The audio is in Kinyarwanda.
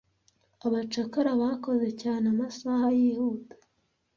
abacakara bakoze cyane amasaha yihuta